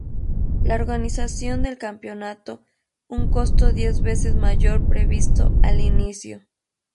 La organización del campeonato un costo diez veces mayor previsto al inicio.